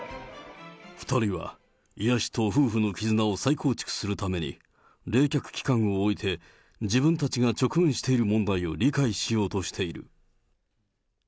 ２人は癒やしと夫婦のきずなを再構築するために冷却期間を置いて、自分たちが直面している問題を理解しようとしている。